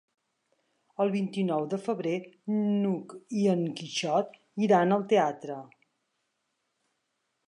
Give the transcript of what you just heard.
El vint-i-nou de febrer n'Hug i en Quixot iran al teatre.